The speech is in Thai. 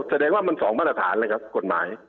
แสดงว่ามัน๒มาตรฐานเลยครับกฎหมาย